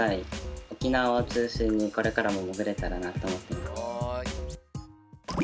沖縄を中心にこれからも潜れたらなと思ってます。